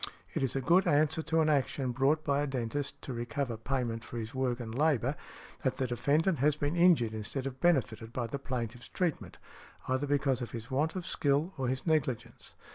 It is a good answer to an action brought by a dentist to recover payment for his work and labor, that the defendant has been injured instead of benefited by the plaintiff's treatment, either because of his want of skill or his negligence.